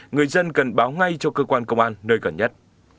người dân cần báo ngay cho cơ quan công an nơi gần nhất